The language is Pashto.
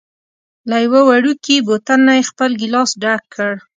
له یوه وړوکي بوتل نه یې خپل ګېلاس ډک کړ.